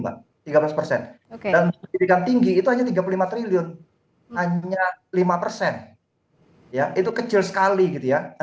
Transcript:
pendidikan tinggi itu hanya tiga puluh lima triliun hanya lima persen ya itu kecil sekali gitu ya